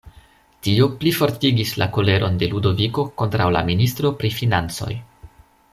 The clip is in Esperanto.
Tio plifortigis la koleron de Ludoviko kontraŭ la ministro pri financoj.